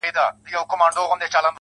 • زه.